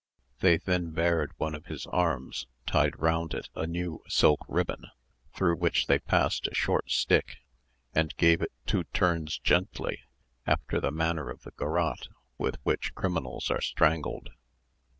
They then bared one of his arms, tied round it a new silk ribbon through which they passed a short stick, and gave it two turns gently, after the manner of the garotte with which criminals are strangled.